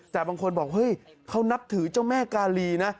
แต่บางคนบอกเฮ้ยเขานับถือเจ้าแม่กาลีนะ